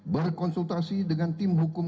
berkonsultasi dengan tim hukum